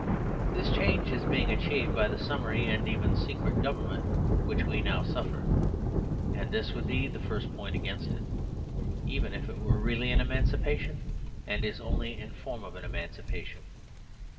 This change is being achieved by the sum mary and even secret government which we now suffer; and this would be the first point against it, even if it were really an emancipa tion; and it is only in form an emancipation.